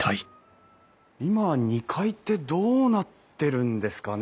今は２階ってどうなってるんですかね？